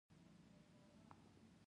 شهسوار وخندل: غم مه کوه!